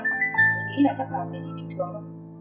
mình nghĩ là chắc là bệnh viện bình thường